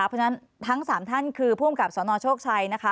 เพราะฉะนั้นทั้ง๓ท่านคือผู้อำกับสนโชคชัยนะคะ